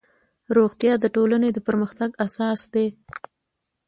روغتیا د ټولنې د پرمختګ اساس دی